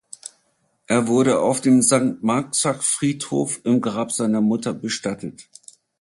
Er wurde auf dem Sankt Marxer Friedhof im Grab seiner Mutter bestattet.